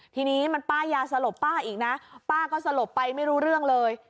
ทีนี้มันป้ายาสลบป้าอีกนะป้าก็สลบไปไม่รู้เรื่องเลย